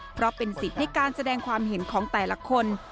เพราะเป็นสิทธิ์ในการแสดงความเห็นของแต่ละคน